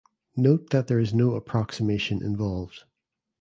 Note that there is no approximation involved.